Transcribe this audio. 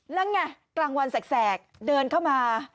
แล้วไงกลางวันแสกเดินเข้ามา